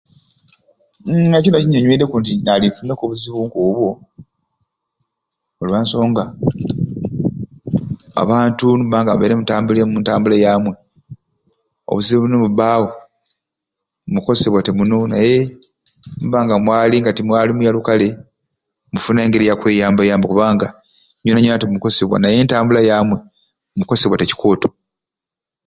Mmmm ekyo nacinyonyoireku nti nali nfunireku obuzibu nkobwo olwa nsonga abantu nimubanga mubaire mutambulire mu ntambula yamwei obuzibu nibubbawo mukosebwate muno naye nimubbanga mwali nga timuli muya lukale mufuna engeri yakweyamba yambaku kubanga nywena nywena timukosebwa naye entambula yamwei mukosebwate kikooto.